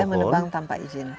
tidak boleh menebang tanpa izin